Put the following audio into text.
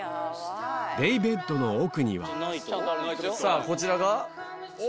デイベッドの奥にはさぁこちらが。